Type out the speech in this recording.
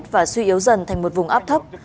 và suy yếu dần thành một vùng áp thấp